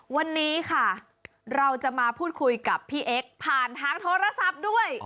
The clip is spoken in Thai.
วันนี้ค่ะเราจะมาพูดคุยกับพี่เอ็กซ์ผ่านทางโทรศัพท์ด้วย